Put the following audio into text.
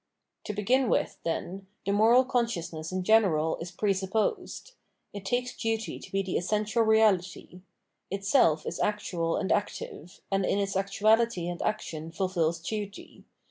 To begin with, then, the moral consciousness in general is presupposed. It takes duty to be the essen tial reality: itself is actual and active, and in its actuality and action fulfils duty.